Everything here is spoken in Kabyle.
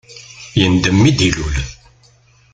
Yendem mi d-ilul.